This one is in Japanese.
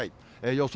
予想